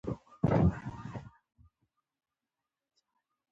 رقیب زما د هڅو همکار دی